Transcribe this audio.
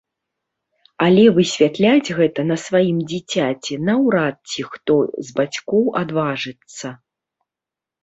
Але высвятляць гэта на сваім дзіцяці наўрад ці хто з бацькоў адважыцца.